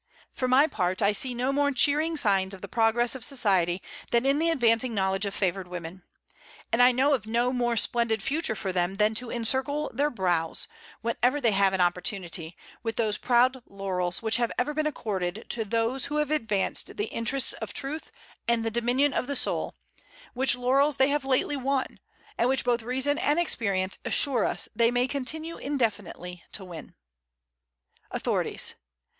For my part, I see no more cheering signs of the progress of society than in the advancing knowledge of favored women. And I know of no more splendid future for them than to encircle their brows, whenever they have an opportunity, with those proud laurels which have ever been accorded to those who have advanced the interests of truth and the dominion of the soul, which laurels they have lately won, and which both reason and experience assure us they may continue indefinitely to win. AUTHORITIES.